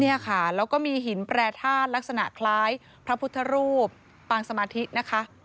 เนี่ยค่ะแล้วก็มีหินแปรธาตุลักษณะคล้ายพระพุทธรูปปางสมาธินะคะ